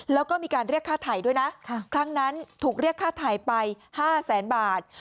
แล้วก็มีการเรียกค่าถ่ายด้วยนะครั้งนั้นถูกเรียกค่าถ่ายไป๕แสนบาท